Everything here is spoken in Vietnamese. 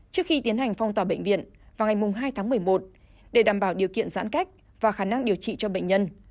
trước khi tiến hành phong tỏa bệnh viện vào ngày hai tháng một mươi một để đảm bảo điều kiện giãn cách và khả năng điều trị cho bệnh nhân